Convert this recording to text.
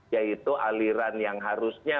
yaitu aliran yang harusnya